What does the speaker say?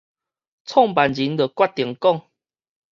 創辦人就決定講